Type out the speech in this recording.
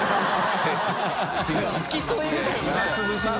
付き添いみたいに。